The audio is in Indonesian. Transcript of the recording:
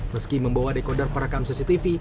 meski membawa dekoder perekam cctv